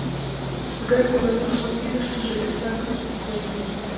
Тыгай годым Машан кидыштыже эртак канде тетрадь лийын.